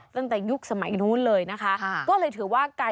ตั้งแต่ยุคสมัยนู้นเลยนะคะ